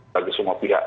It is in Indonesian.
bagi semua pihak